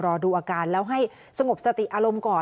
รอดูอาการแล้วให้สงบสติอารมณ์ก่อน